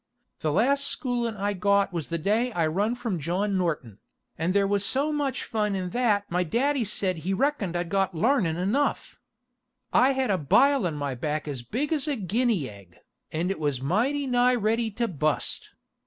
The last skhoolin' I got was the day I run from John Norton, and there was so much fun in that my daddy sed he rekoned I'd got larnin' enuf. I had a bile on my back as big as a ginney egg, and it was mighty nigh ready to bust.